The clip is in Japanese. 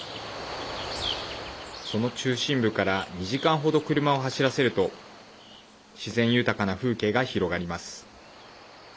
その中心部から２時間程、車を走らせると自然豊かな風景が広がります。